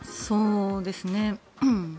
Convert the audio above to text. そうですね。